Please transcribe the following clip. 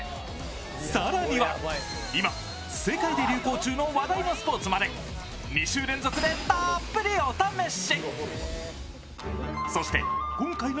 更には今、世界で流行中の話題のスポーツまで２周連続でたっぷりお試し。